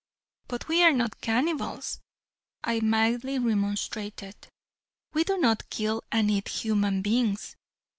"But we are not cannibals," I mildly remonstrated, "we do not kill and eat human beings."